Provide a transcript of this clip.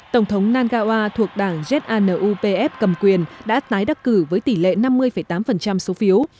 tổng thống nagawa thuộc đảng jnu pf cầm quyền đã tái đắc cử với tỷ lệ năm mươi tám số phiếu